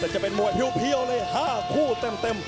แต่จะเป็นมวยเพี้ยวเลย๕คู่เต็ม